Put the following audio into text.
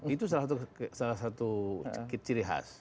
itu salah satu ciri khas